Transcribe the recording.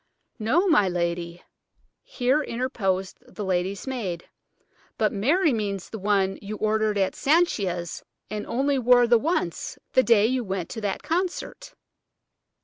"No, my lady," here interposed the lady's maid; "but Mary means the one you ordered at Sanchia's and only wore the once–the day you went to that concert."